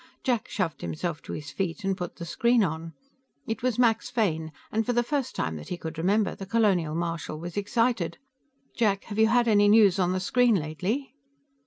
Jack shoved himself to his feet and put the screen on. It was Max Fane, and for the first time that he could remember, the Colonial Marshal was excited. "Jack, have you had any news on the screen lately?"